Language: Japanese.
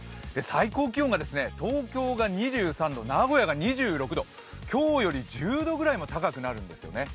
最高気温が、東京が２３度、名古屋が２６度、今日より１０度くらいも高くなるんですよね。